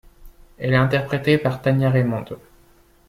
Elle est interprétée par Tania Raymonde.